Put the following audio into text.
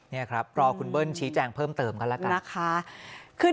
นี่ครับรอคุณเบิ้ลชี้แจงเพิ่มเติมกันแล้วกันนะคะ